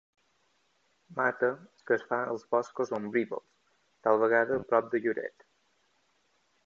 Mata que es fa als boscos ombrívols, tal vegada prop de Lloret.